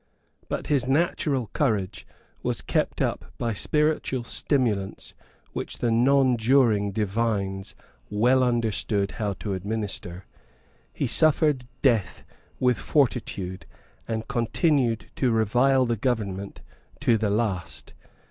But his natural courage was kept up by spiritual stimulants which the nonjuring divines well understood how to administer. He suffered death with fortitude, and continued to revile the government to the last.